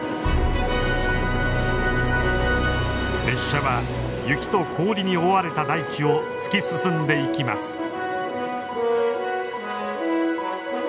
列車は雪と氷に覆われた大地を突き進んでいきます。